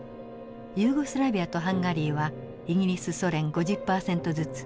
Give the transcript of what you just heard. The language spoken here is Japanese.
ユーゴスラビアとハンガリーはイギリスソ連５０パーセントずつ。